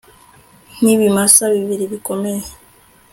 Nkibimasa bibiri bikomeye